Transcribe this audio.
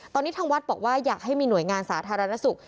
ตอนนี้ทางวัดบอกว่าอยากให้มีหน่วยงานสาธารณสุข